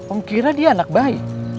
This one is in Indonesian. oh kira dia anak baik